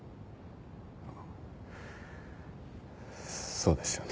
そうですよね。